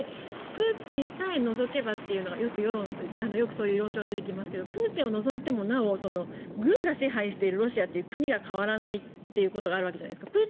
プーチンさえ除けばとよくそういう論調が出てきますがプーチンを除いてもなお軍が支配しているロシアという国が変わらないということがあるわけじゃないですか。